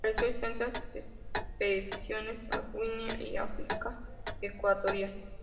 Realizó extensas expediciones a Guinea y África Ecuatorial.